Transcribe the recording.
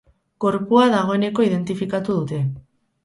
Gorpua dagoeneko identifikatu dute.